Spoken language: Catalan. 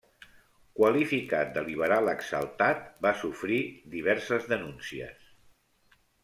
Qualificat de liberal exaltat, va sofrir diverses denúncies.